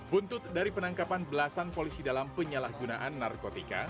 buntut dari penangkapan belasan polisi dalam penyalahgunaan narkotika